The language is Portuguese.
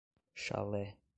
Chalé